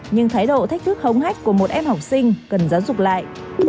nhưng thái độ thách thức hống hách của một em học sinh cần giáo dục lại